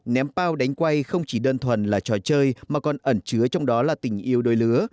ném bao đánh quay không chỉ đơn thuần là trò chơi mà còn ẩn chứa trong đó là tình yêu đôi lứa